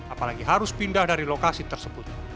apalagi harus pindah dari lokasi tersebut